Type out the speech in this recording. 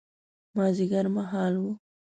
مازیګر مهال و.